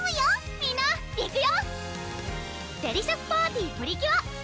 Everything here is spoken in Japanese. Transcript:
みんないくよ！